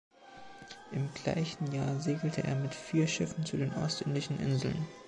Im gleichen Jahr segelte er mit vier Schiffen zu den Ostindischen Inseln.